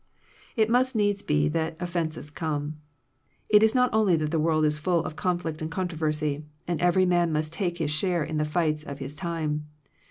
It must needs be that offences come. It is not only that the worid is full of conflict and controversy, and every man must take his share in the flf;;hts of his time.